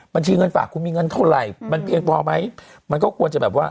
บัญชีเงินฝากคุณมีเงินเท่าไหร่มันเพียงพอไหมมันก็ควรจะแบบว่า